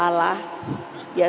biasanya suka kebalik balik